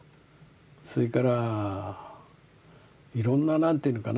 それからいろんな何ていうのかな